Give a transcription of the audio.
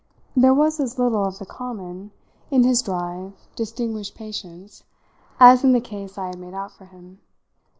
There was as little of the common in his dry, distinguished patience as in the case I had made out for him.